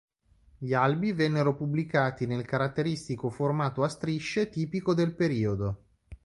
Gli albi vennero pubblicati nel caratteristico formato a strisce tipico del periodo.